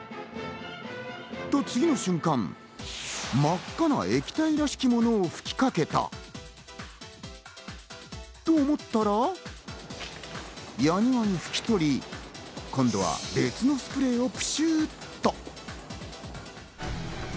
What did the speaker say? と、次の瞬間、真っ赤な液体らしきものを吹きかけた。と思ったら、矢庭に拭き取り、今度は別のスプレーをプシュっと。